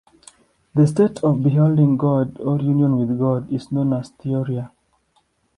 The state of beholding God, or union with God, is known as theoria.